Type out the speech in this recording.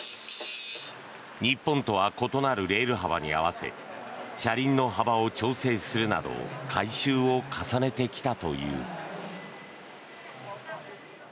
日本とは異なるレール幅に合わせ車輪の幅を調整するなど改修を重ねてきたという。